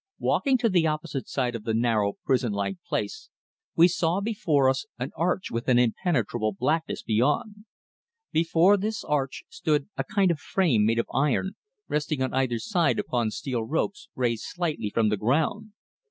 Walking to the opposite side of the narrow, prison like place, we saw before us an arch with an impenetrable blackness beyond. Before this arch stood a kind of frame made of iron resting on either side upon steel ropes raised slightly from the ground.